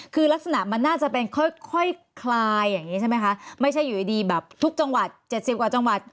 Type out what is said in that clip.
คือลักษณะมันน่าจะเป็นค่อยคลายอย่างนี้ใช่ไหมคะไม่ใช่อยู่ดีแบบทุกจังหวัด๗๐กว่าจังหวัด